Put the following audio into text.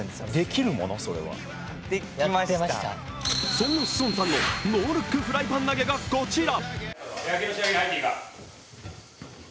そんな志尊さんのノールック・フライパン投げがこちら。